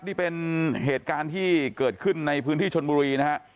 นี่เป็นเหตุการณ์ที่เกิดขึ้นในพื้นที่ชนบุรีนะฮะ